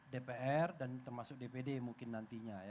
dpr dan termasuk dpd mungkin nantinya ya